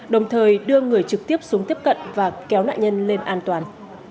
đồng thời đưa người trực tiếp xuống tiếp cận và kéo nạn nhân lên an toàn